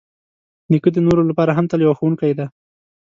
نیکه د نورو لپاره هم تل یو ښوونکی دی.